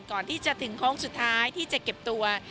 ก่อนที่จะถึงโค้งสุดท้ายที่จะเก็บตัว